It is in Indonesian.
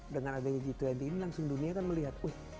dengan adanya g dua puluh ini langsung dunia kan melihat